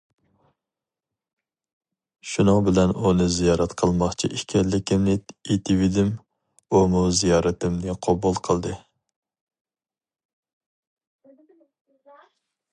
شۇنىڭ بىلەن ئۇنى زىيارەت قىلماقچى ئىكەنلىكىمنى ئېيتىۋىدىم، ئۇمۇ زىيارىتىمنى قوبۇل قىلدى.